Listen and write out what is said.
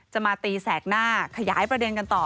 มาตีแสกหน้าขยายประเด็นกันต่อ